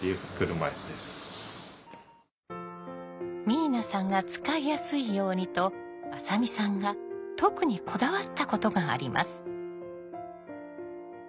明奈さんが使いやすいようにと浅見さんが特にこだわったことがあります。